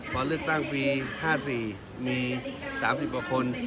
พอเลือกตั้งปี๕๔มี๓๐กว่าคน